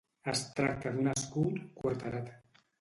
Es tracta d'un escut quarterat.